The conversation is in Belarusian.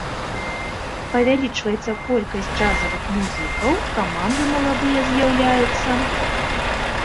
Павялічваецца колькасць джазавых музыкаў, каманды маладыя з'яўляюцца.